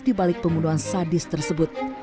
dibalik pembunuhan sadis tersebut